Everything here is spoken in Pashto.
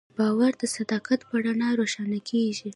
باور د صداقت په رڼا روښانه کېږي.